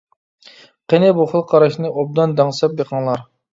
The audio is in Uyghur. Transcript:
قېنى بۇ خىل قاراشنى ئوبدان دەڭسەپ بېقىڭلار.